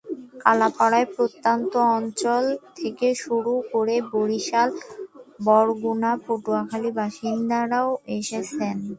কলাপাড়ার প্রত্যন্ত অঞ্চল থেকে শুরু করে বরিশাল, বরগুনা, পটুয়াখালীর বাসিন্দারাও এসেছেন।